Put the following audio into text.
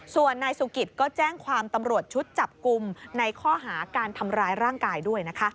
ส่วนนายสุกิตก็แจ้งความตำรวจชุดจับกลุ่มในข้อหาการทำร้ายร่างกายด้วยนะคะ